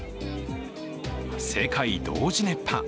世界同時熱波。